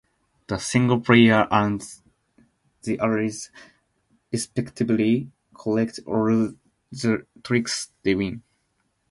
The single player and the allies, respectively, collect all the tricks they win.